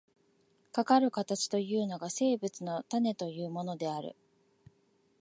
かかる形というのが、生物の種というものである。